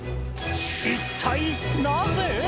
一体なぜ？